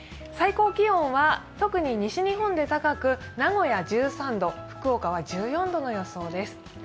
最高気温は特に西日本で高く名古屋１３度、福岡は１４度の予想です。